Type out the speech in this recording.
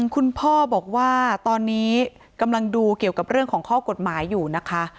คุณพ่อบอกว่าตอนนี้กำลังดูเกี่ยวกับเรื่องของข้อกฎหมายอยู่นะคะ